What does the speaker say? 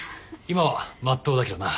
今はまっとうだけどな。